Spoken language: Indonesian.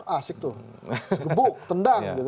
asik tuh gebuk tendang